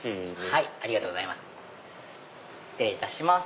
はい。